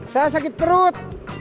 saya sakit perut